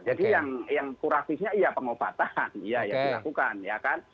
jadi yang kuratifnya iya pengobatan iya yang dilakukan ya kan